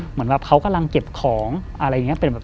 เหมือนแบบเขากำลังเก็บของอะไรอย่างนี้